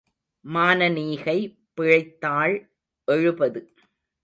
மானனீகை பிழைத்தாள் எழுபது.